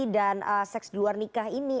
dan seks luar nikah ini